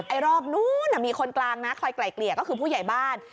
รอบนู้นมีคนกลางนะคอยไกลเกลี่ยก็คือผู้ใหญ่บ้าน